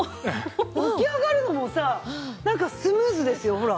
起き上がるのもさなんかスムーズですよほら。